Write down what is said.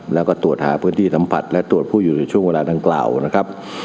แล้วก็ตรวจหาพื้นที่สัมผัสและตรวจผู้อยู่ในช่วงเวลาดังกล่าวนะครับ